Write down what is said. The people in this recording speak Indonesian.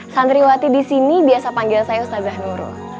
santriwati di sini biasa panggil saya ustazah nurul